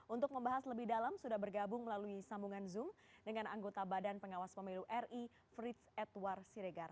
untuk membahas lebih dalam sudah bergabung melalui sambungan zoom dengan anggota badan pengawas pemilu ri frits edward siregar